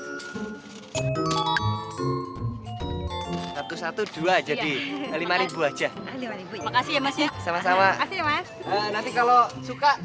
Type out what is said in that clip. satu satu dua jadi lima ribu aja makasih masih sama sama nanti kalau suka lagi langsung beli